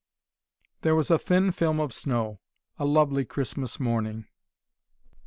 There was a thin film of snow, a lovely Christmas morning.